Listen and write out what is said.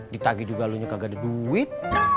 ditagi juga lo nyukagada duit